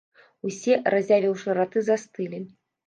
Усе, разявіўшы раты, застылі.